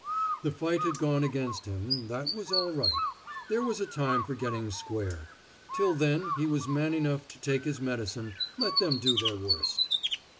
The fight had gone against him that was all right. There was a time for getting square. Till then he was man enough to take his medicine, let them do their worst.